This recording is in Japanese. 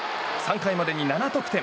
３回までに７得点。